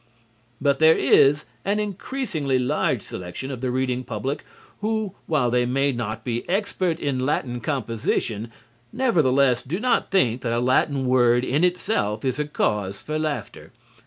But there is an increasingly large section of the reading public who while they may not be expert in Latin composition, nevertheless do not think that a Latin word in itself is a cause for laughter.